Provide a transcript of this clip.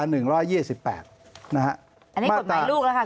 อันนี้กฎหมายลูกแล้วค่ะคุณผู้ชม